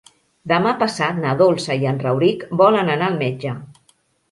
Demà passat na Dolça i en Rauric volen anar al metge.